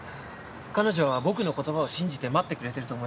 彼女は僕の言葉を信じて待ってくれていると思います。